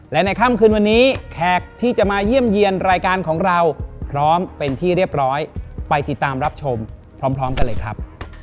และในค่ำคืนวันนี้แขกที่จะมาเยี่ยมเยี่ยมรายการของเราพร้อมเป็นที่เรียบร้อยไปติดตามรับชมพร้อมกันเลยครับ